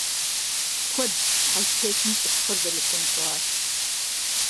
Куэдщ щхьэлтетым цӀыхухэр зэрихъунщӀар.